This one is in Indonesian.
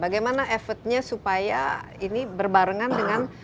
bagaimana effortnya supaya ini berbarengan dengan